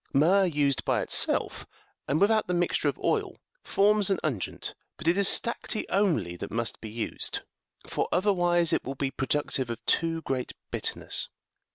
Myrrh used by itself, and without the mixture of oil, forms an unguent, but it is stacte70 only that must be used, for other wise it will be productive of too great bitterness.